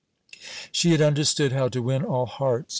"She had understood how to win all hearts.